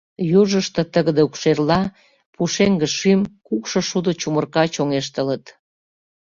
Южышто тыгыде укшерла, пушеҥге шӱм, кукшо шудо чумырка чоҥештылыт.